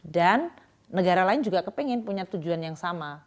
dan negara lain juga kepingin punya tujuan yang sama